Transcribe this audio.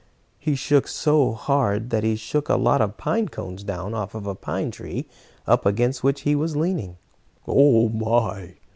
He shook so hard that he shook a lot of pine cones down off a pine tree up against which he was leaning. "Oh my!